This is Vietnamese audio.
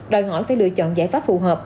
đòi hỏi phải lựa chọn giải pháp phù hợp